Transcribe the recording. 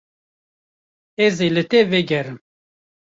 Ez ê li te vegerim.